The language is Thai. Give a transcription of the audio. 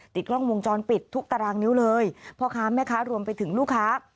ติดกล้องวงจรปิดทุกตารางนิ้วเลยพ่อค้าแม่ค้ารวมไปถึงลูกค้า